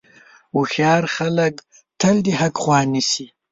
هوښیار خلک تل د حق خوا نیسي.